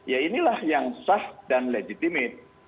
ya inilah yang sah dan legitimit